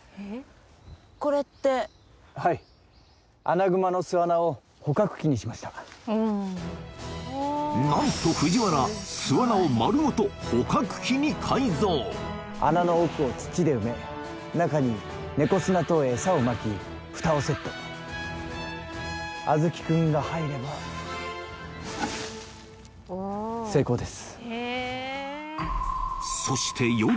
これってはいアナグマの巣穴を捕獲器にしました何と藤原巣穴を丸ごと捕獲器に改造穴の奥を土で埋め中にネコ砂とエサをまき蓋をセットあずき君が入れば成功です